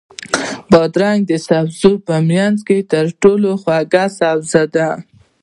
بادرنګ د سبزیو په منځ کې تر ټولو خوږ سبزی ده.